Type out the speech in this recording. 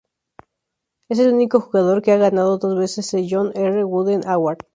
Es el único jugador que ha ganado dos veces el John R. Wooden Award.